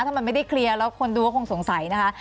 ถ้ามันไม่ได้เคลียร์แล้วคนดูก็คงสงสัยนะคะ